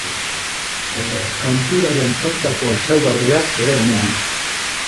Hanturaren aurkako ezaugarriak ere omen ditu.